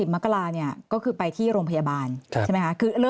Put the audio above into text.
๓๐มกราก็คือไปที่โรงพยาบาล